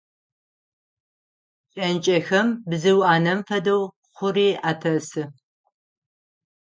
Кӏэнкӏэхэм, бзыу анэм фэдэу, хъури атесы.